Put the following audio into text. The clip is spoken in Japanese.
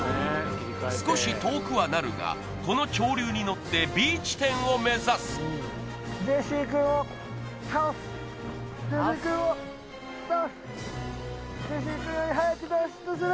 少し遠くはなるがこの潮流に乗ってＢ地点を目指すジェシーくんを倒す打倒